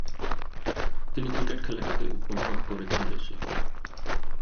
তিনি ক্রিকেট খেলাটিকে উপভোগ করেছেন বেশি।